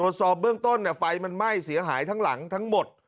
ชุดต้นไฟมันไหม้เสียหายทั้งหลังทั้งหมด